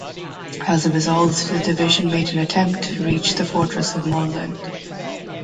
As a result, the division made an attempt to reach the fortress of Modlin.